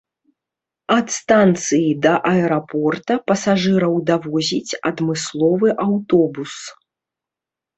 Ад станцыі да аэрапорта пасажыраў давозіць адмысловы аўтобус.